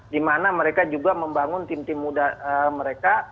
dimana mereka juga membangun tim tim muda mereka